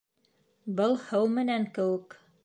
Был һыу менән кеүек.